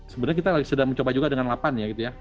sebenarnya kita sedang mencoba juga dengan lapan ya gitu ya